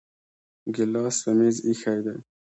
ګلاس په میز ایښی دی